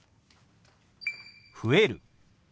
「増える」。